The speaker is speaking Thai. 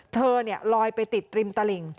เธอเนี่ยลอยไปติดริมตะหลิง